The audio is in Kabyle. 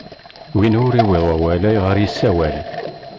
Win ur iwwiḍ wawal, ayɣeṛ issawal?